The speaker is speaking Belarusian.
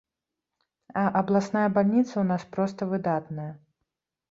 А абласная бальніца ў нас проста выдатная.